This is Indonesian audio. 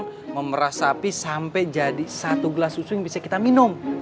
kita memeras sapi sampai jadi satu gelas susu yang bisa kita minum